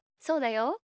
そうだよ。